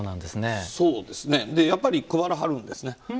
やっぱり配らはるんですね。